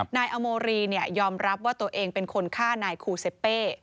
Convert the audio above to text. นายอโมรียอมรับว่าตัวเองเป็นคนฆ่านายคูเซเป้